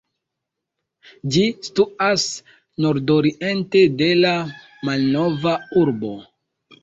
Ĝi situas nordoriente de la Malnova Urbo.